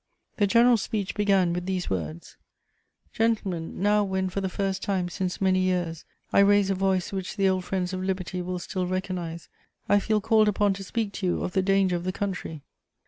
The general's speech began with these words: "Gentlemen, now when, for the first time since many years, I raise a voice which the old friends of liberty will still recognise, I feel called upon to speak to you of the danger of the country.